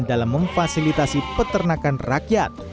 dalam memfasilitasi peternakan rakyat